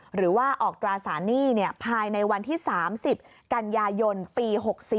หรือว่าออกตราสารหนี้ภายในวันที่๓๐กันยายนปี๖๔